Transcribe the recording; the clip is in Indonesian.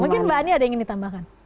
mungkin mbak ani ada yang ingin ditambahkan